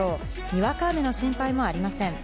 にわか雨の心配もありません。